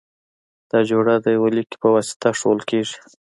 دا جوړه د یوه لیکي په واسطه ښودل کیږی.